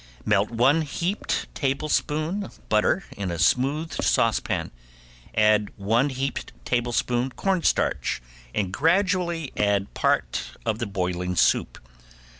Melt one heaped tablespoon butter in a smooth saucepan, add one heaped tablespoon cornstarch, and gradually add part of the boiling soup.